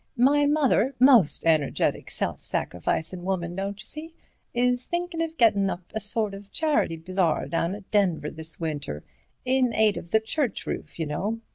My mother—most energetic, self sacrificin' woman, don't you see, is thinkin' of gettin' up a sort of a charity bazaar down at Denver this winter, in aid of the church roof, y'know.